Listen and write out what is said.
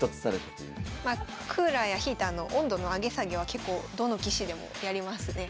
まあクーラーやヒーターの温度の上げ下げは結構どの棋士でもやりますね。